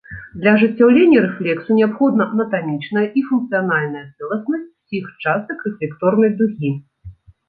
Для ажыццяўлення рэфлексу неабходна анатамічная і функцыянальная цэласнасць усіх частак рэфлекторнай дугі.